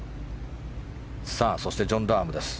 そして、ジョン・ラームです。